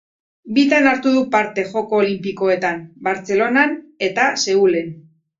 Bitan hartu du parte Joko Olinpikoetan: Bartzelonan eta Seulen.